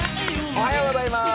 おはようございます。